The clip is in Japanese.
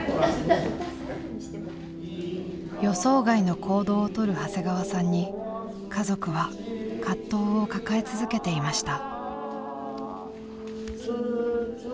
予想外の行動をとる長谷川さんに家族は葛藤を抱え続けていました。